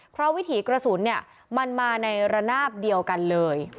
เพราะวิถีกระสุนมันมาในระนาบเดียวกันเลย